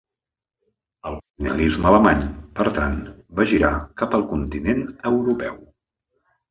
El colonialisme alemany, per tant, va girar cap al continent europeu.